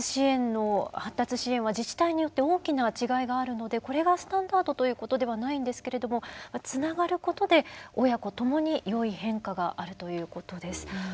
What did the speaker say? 発達支援は自治体によって大きな違いがあるのでこれがスタンダードということではないんですけれどもつながることで親子ともに良い変化があるということです。